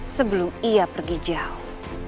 sebelum ia pergi jauh